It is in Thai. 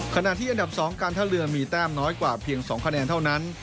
ขณะที่อันดับ๒การท่าเรือมีแต้มน้อยกว่าเพียง๒คะแนนเท่านั้น